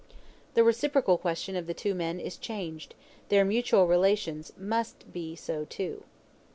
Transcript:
The reciprocal position of the two men is changed their mutual relations must be so too.